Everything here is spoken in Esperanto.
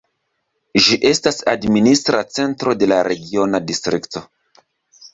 Ĝi estas administra centro de la regiona distrikto.